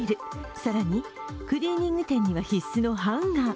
更に、クリーニング店には必須のハンガー。